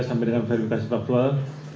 sampai dengan verifikasi faktual